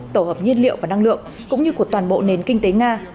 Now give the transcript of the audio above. tổ hợp nhiên liệu và năng lượng cũng như của toàn bộ nền kinh tế nga